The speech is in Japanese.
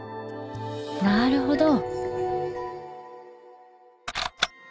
なるほど！